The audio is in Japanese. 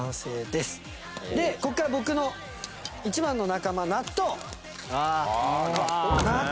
でここから僕の一番の仲間納豆。